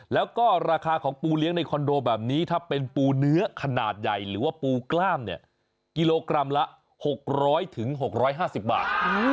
แล้วก็ราคาของปูเลี้ยงในคอนโดแบบนี้ถ้าเป็นปูเนื้อขนาดใหญ่หรือว่าปูกล้ามเนี่ยกิโลกรัมละ๖๐๐๖๕๐บาท